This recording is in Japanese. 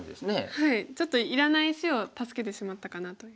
はいちょっといらない石を助けてしまったかなという。